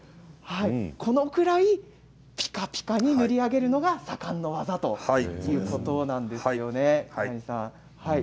このぐらいピカピカに塗り上げるのが左官の技ということなんです。